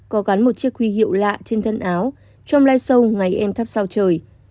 có gắn một chiếc huy hiệu lạ trên thân áo trong live show ngày em thắp sao trời